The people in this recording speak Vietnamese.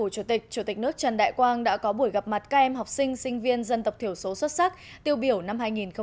chủ tịch chủ tịch nước trần đại quang đã có buổi gặp mặt các em học sinh sinh viên dân tộc thiểu số xuất sắc tiêu biểu năm hai nghìn một mươi chín